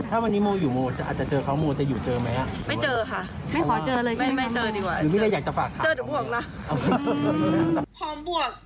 ถ้าวันนี้โมอยู่โมอาจจะเจอเขาโมจะอยู่เจอไหม